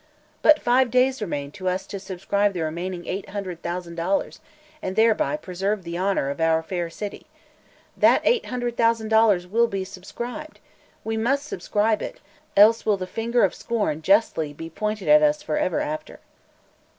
But five days remain to us to subscribe the remaining eight hundred thousand dollars, and thereby preserve the honor of our fair city. That eight hundred thousand dollars will be subscribed! We must subscribe it; else will the finger of scorn justly be pointed at us forever after."